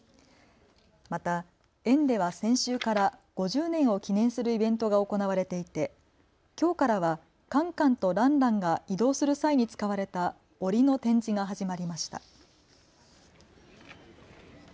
また園では先週から５０年を記念するイベントが行われていてきょうからはカンカンとランランが移動する際に使われたおりの展示が始まりました。